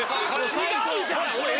違うじゃん！